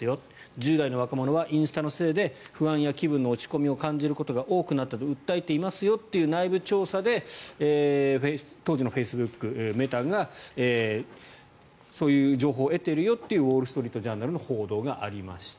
１０代の若者はインスタのせいで不安や気分の落ち込みを感じることが多くなったと訴えていますよという内部調査で当時のフェイスブック、メタがそういう情報を得ているよというウォール・ストリート・ジャーナルの報道がありました。